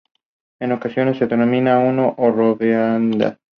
En ocasiones, se denomina "u no redondeada".